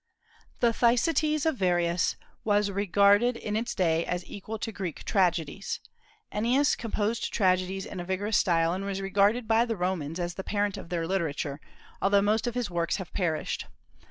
The "Thyestes" of Varius was regarded in its day as equal to Greek tragedies. Ennius composed tragedies in a vigorous style, and was regarded by the Romans as the parent of their literature, although most of his works have perished.